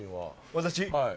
私？